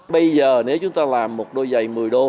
bây giờ nếu chúng ta làm một đôi giày một mươi đô